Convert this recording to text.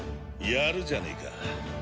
やるじゃねえか。